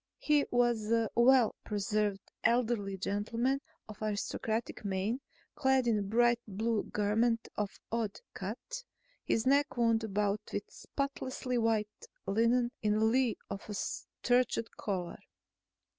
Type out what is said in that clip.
He was a well preserved elderly gentleman of aristocratic mien, clad in a bright blue garment of odd cut, his neck wound about with spotlessly white linen in lieu of a starched collar.